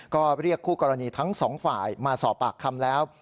ก็เรียกคู่กรณีทั้งสองฝ่ายมาสอบปากคำแล้ว